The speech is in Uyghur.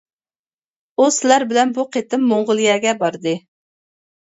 ئۇ سىلەر بىلەن بۇ قېتىم موڭغۇلىيەگە باردى.